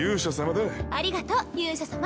ありがとう勇者様。